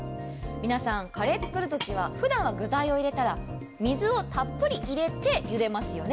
皆さん、カレー作るときはふだんは具材を入れたら水をたっぷり入れて作りますよね。